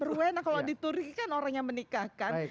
perlu enak kalau diturunkan orang yang menikahkan